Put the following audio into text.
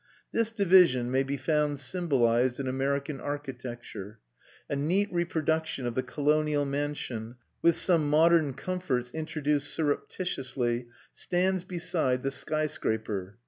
This division may be found symbolised in American architecture: a neat reproduction of the colonial mansion with some modern comforts introduced surreptitiously stands beside the sky scraper.